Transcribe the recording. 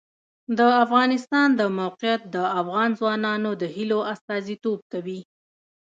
د افغانستان د موقعیت د افغان ځوانانو د هیلو استازیتوب کوي.